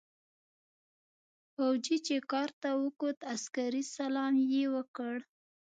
فوجي چې کارت ته وکوت عسکري سلام يې وکړ.